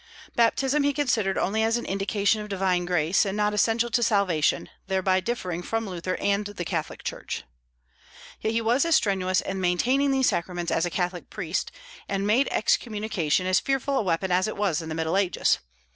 Baptism he considered only as an indication of divine grace, and not essential to salvation; thereby differing from Luther and the Catholic church. Yet he was as strenuous in maintaining these sacraments as a Catholic priest, and made excommunication as fearful a weapon as it was in the Middle Ages.